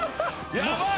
やばい！